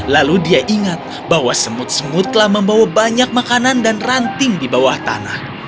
lalu dia ingat bahwa semut semut telah membawa banyak makanan dan ranting di bawah tanah